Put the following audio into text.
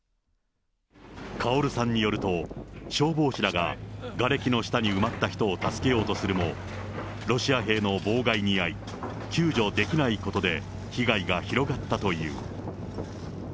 カオルさんによると、消防士らががれきの下に埋まった人を助けようとするも、ロシア兵の妨害に遭い、救助できないことで、被害が広がったという。